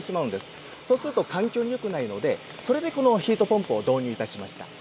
そうすると環境によくないのでそれでこのヒートポンプを導入いたしました。